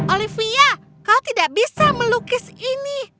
olivia kau tidak bisa melukis ini